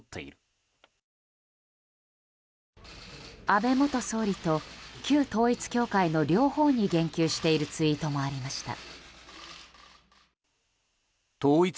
安倍元総理と旧統一教会の両方に言及しているツイートもありました。